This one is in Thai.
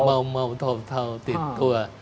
เมาเมาเทาเทาติดตัว